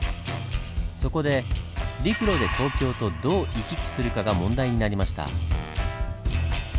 そこで陸路で東京とどう行き来するかが問題になりました。